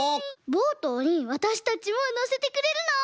ボートにわたしたちものせてくれるの？